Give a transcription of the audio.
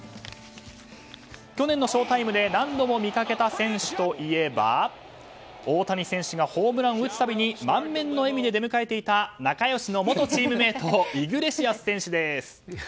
去年のショウタイムで何度も見かけた選手といえば大谷選手がホームランを打つたびに満面の笑みで出迎えていた仲良しの元チームメートイグレシアス選手です。